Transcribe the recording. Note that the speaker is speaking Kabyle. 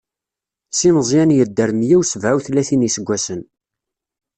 Si Meẓyan yedder meyya u sebɛa u tlatin n iseggasen.